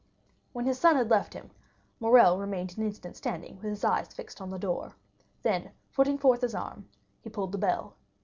When his son had left him, Morrel remained an instant standing with his eyes fixed on the door; then putting forth his arm, he pulled the bell.